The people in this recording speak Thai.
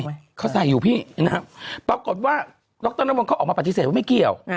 ฮะเขาใส่อยู่พี่ปรากฏว่าดรนรมนตร์เขาออกมาปฏิเสธว่าไม่เกี่ยว